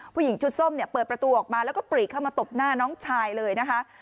ผู้หญิงชุดส้มเนี่ยเปิดประตูออกมาแล้วก็ปรีเข้ามาตบหน้าน้องชายเลยนะคะ